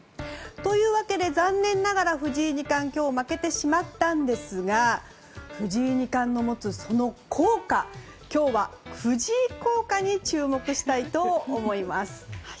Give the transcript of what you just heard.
というわけで残念ながら藤井二冠、今日は負けてしまったんですが藤井二冠の持つその効果、今日は藤井効果に注目したいと思います。